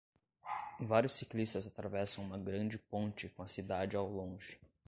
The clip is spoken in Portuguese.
Vários ciclistas atravessam uma grande ponte com a cidade ao longe.